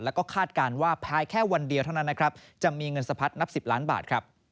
แล้วก็คาดการณ์ว่าภายแค่วันเดียวเท่านั้นนะครับจะมีเงินสะพัดนับ๑๐ล้านบาทครับ